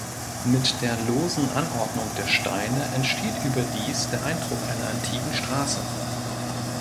Mit der losen Anordnung der Steine entsteht überdies der Eindruck einer antiken Straße.